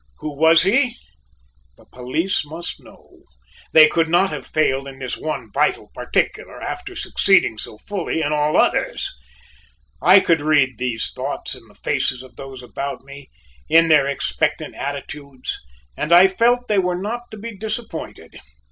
Who was he? The police must know, they could not have failed in this one vital particular after succeeding so fully in all others. I could read these thoughts in the faces of those about me, in their expectant attitudes; and I felt they were not to be disappointed.